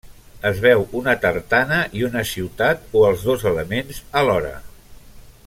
Es veu una tartana i una ciutat o els dos elements alhora.